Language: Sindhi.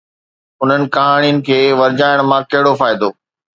انهن ڪهاڻين کي ورجائڻ مان ڪهڙو فائدو؟